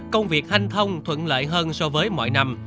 công việc hanh thông thuận lợi hơn so với mọi năm